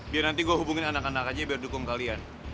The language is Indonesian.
biar nanti gue hubungin anak anak aja biar dukung kalian